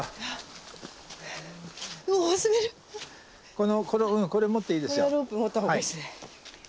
このロープ持ったほうがいいですね。